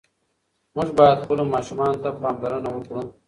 موږ باید خپلو ماشومانو ته پاملرنه وکړو.